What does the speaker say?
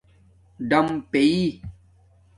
ڈَم پیئ